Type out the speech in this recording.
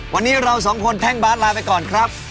วันนี้เราสองคนแท่งบาสลาไปก่อนครับ